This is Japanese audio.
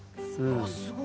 あすごい。